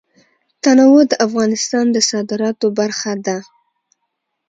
تنوع د افغانستان د صادراتو برخه ده.